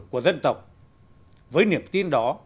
của dân tộc với niềm tin đó